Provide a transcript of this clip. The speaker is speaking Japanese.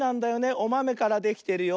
おまめからできてるよ。